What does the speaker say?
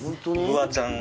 フワちゃん